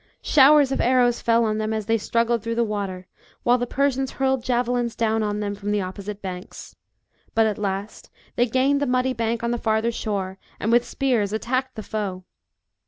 Showers of arrows fell on them as they struggled through the water, while the Persians hurled javelins down B.C. 334.] STORY OF THE GOF DIAN KNOT. 141 on them from the opposite banks. But at last they gained the muddy bank on the farther shore, and with spears attacked the foe.